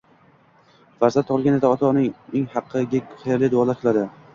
Farzand tug‘ilganida ota-ona uning haqiga xayrli duolar qiladi.